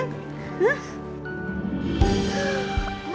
mimpi oma jatuh